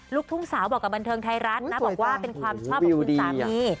ลูกทุ่งสาวบอกกับบันเทิงไทยรัฐนะบอกว่าเป็นความชอบของคุณสามี